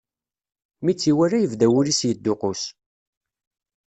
Mi tt-iwala yebda wul-is yedduqqus.